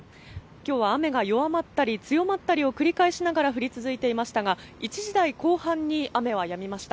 きょうは雨が弱まったり強まったりを繰り返しながら降り続いていましたが１時台後半に雨はやみました。